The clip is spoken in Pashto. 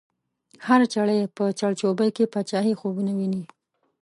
هر چړی په چړچوبۍ کی، باچایې خوبونه وینې